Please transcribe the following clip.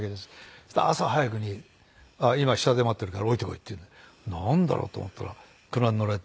そしたら朝早くに「今下で待ってるから降りて来い」って言うんでなんだろう？と思ったら「車に乗れ」。